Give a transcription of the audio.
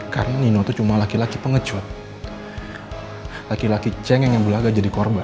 karena nino cuma laki laki pengecut laki laki cengeng yang belaga jadi korban